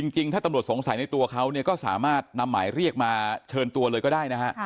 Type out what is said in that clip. จริงถ้าตำรวจสงสัยในตัวเขาก็สามารถนำหมายเรียกมาเชิญตัวเลยก็ได้นะฮะ